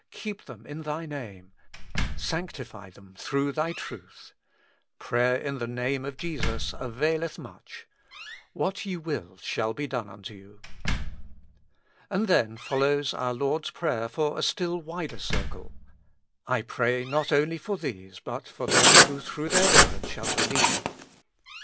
keep them in Thy Name ;"" Sanctify them through Thy truth." Prayer in the Name of Jesus availeth much :" What ye will shall be done unto you." And then follows our Lord's prayer for a stilUvider circle. " I pray not only for these, but for them who through their word shall believe."